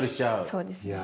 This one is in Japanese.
そうですね。